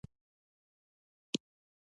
دوی خپل وکیلان د شاه کمپ ته لېږلي ول.